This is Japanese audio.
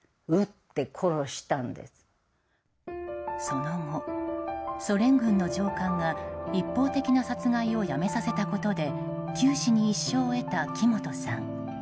その後、ソ連軍の上官が一方的な殺害をやめさせたことで九死に一生を得た木本さん。